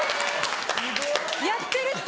やってると。